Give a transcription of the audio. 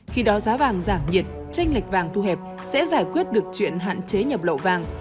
khi đó giá vàng giảm nhiệt tranh lệch vàng thu hẹp sẽ giải quyết được chuyện hạn chế nhập lậu vàng